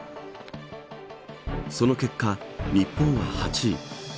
その結果日本は８位。